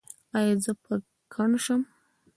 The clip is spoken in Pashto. ایا زه به کڼ شم؟